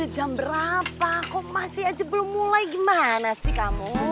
kenapa kok masih aja belum mulai gimana sih kamu